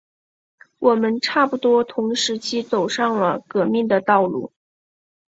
我们差不多同时期走上了革命的道路。